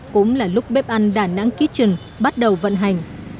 cũng là lúc bếp ăn đà nẵng kitchen bắt đầu vận hành